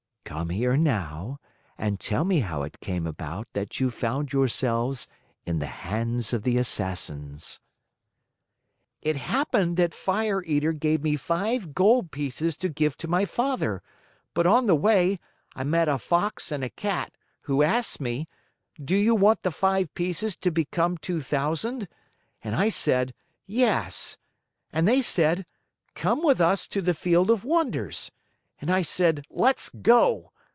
"Come here now and tell me how it came about that you found yourself in the hands of the Assassins." "It happened that Fire Eater gave me five gold pieces to give to my Father, but on the way, I met a Fox and a Cat, who asked me, 'Do you want the five pieces to become two thousand?' And I said, 'Yes.' And they said, 'Come with us to the Field of Wonders.' And I said, 'Let's go.